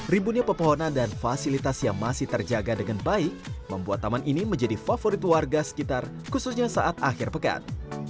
rimbunnya pepohonan dan fasilitas yang masih terjaga dengan baik membuat taman ini menjadi favorit warga sekitar khususnya saat akhir pekan